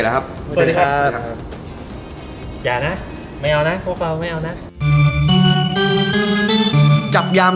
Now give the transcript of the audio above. เร็วทันใจ